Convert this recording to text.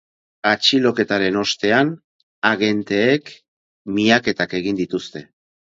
Atxiloketaren ostean, agenteek miaketak egin dituzte.